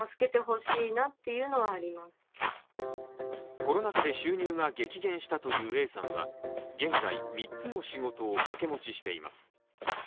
コロナ禍で収入が激減したというＡさんは現在、三つの仕事を掛け持ちしています。